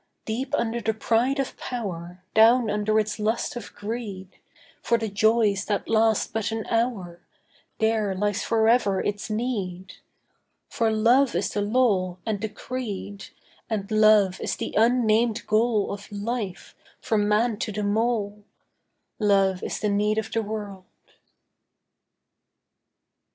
Deep under the pride of power, Down under its lust of greed, For the joys that last but an hour, There lies forever its need. For love is the law and the creed And love is the unnamed goal Of life, from man to the mole. Love is the need of the world.